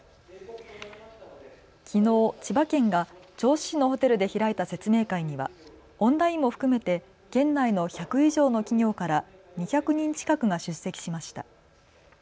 きのう千葉県が銚子市のホテルで開いた説明会にはオンラインも含めて県内の１００以上の企業から２００人近くが出席しました。